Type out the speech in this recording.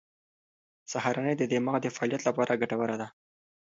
سهارنۍ د دماغ د فعالیت لپاره ګټوره ده.